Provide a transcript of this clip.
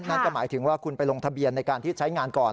นั่นก็หมายถึงว่าคุณไปลงทะเบียนในการที่ใช้งานก่อน